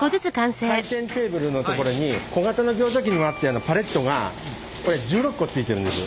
回転ケーブルの所に小型のギョーザ機にもあったようなパレットがこれ１６個ついてるんです。